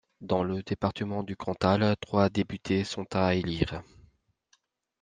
Dans le département du Cantal, trois députés sont à élire.